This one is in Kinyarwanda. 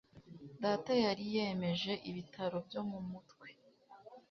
Data yariyemeje ibitaro byo mu mutwe.